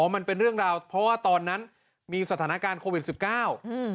มันเป็นเรื่องราวเพราะว่าตอนนั้นมีสถานการณ์โควิดสิบเก้าอืม